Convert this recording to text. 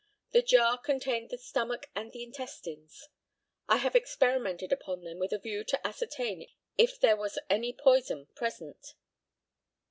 The jar contained the stomach and the intestines. I have experimented upon them with a view to ascertain if there was any poison present.